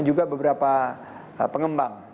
juga beberapa pengembang